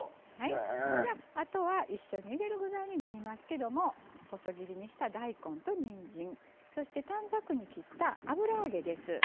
あとは一緒に入れる具材になりますけど細切りにした大根と、にんじんそして、短冊に切った油揚げです。